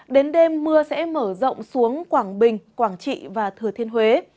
đến đêm mưa sẽ mở rộng xuống quảng bình quảng trị và thừa thiên huế